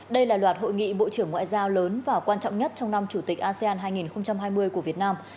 đây là loạt hội nghị bộ trưởng ngoại giao lớn và quan trọng nhất trong năm chủ tịch asean hai nghìn hai mươi của việt nam